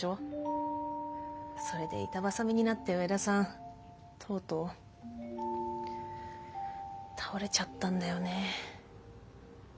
それで板挟みになって上田さんとうとう倒れちゃったんだよね。